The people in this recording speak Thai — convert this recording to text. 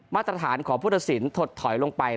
มาตรฐานของพุทธศิลป์ถดถอยลงไป